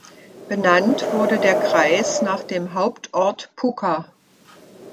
Benannt wurde der Kreis nach dem Hauptort Puka.